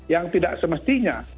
yang tidak semestinya